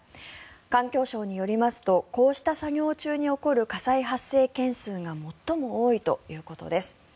環境省によりますとこうした作業中に起こる火災発生件数が最も多いということです。